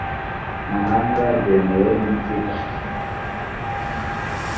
mahanga byemewe n ikigo